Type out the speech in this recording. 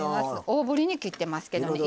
大ぶりに切ってますけどね